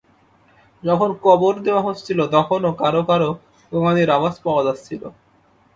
যখন কবর দেওয়া হচ্ছিল তখনো কারও কারও গোঙানির আওয়াজ পাওয়া যাচ্ছিল।